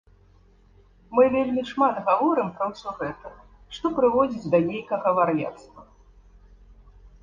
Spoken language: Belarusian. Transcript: Мы вельмі шмат гаворым пра ўсё гэта, што прыводзіць да нейкага вар'яцтва.